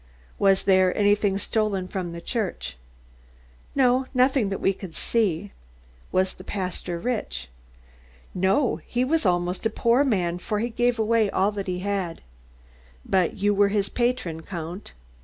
"Was there anything stolen from the church?" "No, nothing that we could see." "Was the pastor rich?" "No, he was almost a poor man, for he gave away all that he had." "But you were his patron, Count."